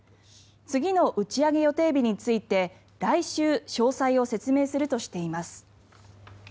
次の打ち上げ予定日について来週、詳細を説明するとしています。